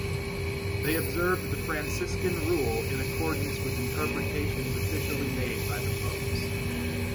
They observed the Franciscan Rule in accordance with interpretations officially made by the Popes.